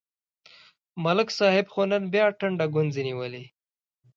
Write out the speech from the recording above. ملک صاحب خو نن بیا ټنډه گونځې نیولې